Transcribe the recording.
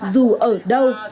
dù ở đâu